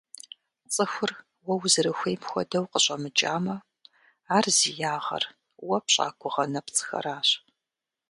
Цӏыхур уэ узэрыхуейм хуэдэу къыщӏэмыкӏамэ, ар зи ягъэр уэ пщӏа гугъэ нэпцӏхэращ.